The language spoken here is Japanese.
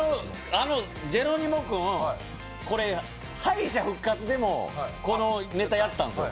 あの、ジェロニモ君、敗者復活でもこのネタやったんですよ。